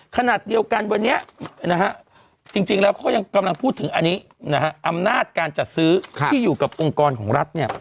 ขณะเดียวกันวันนี้จริงแล้วเขายังกำลังพูดถึงอันนี้อำนาจการจัดซื้อที่อยู่กับองค์กรของรัฐเนี่ย